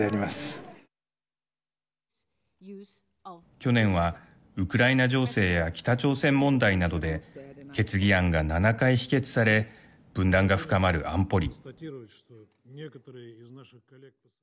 去年はウクライナ情勢や北朝鮮問題などで決議案が７回否決され分断が深まる安保理。